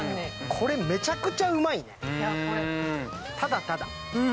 これ、めちゃくちゃうまい、ただただ。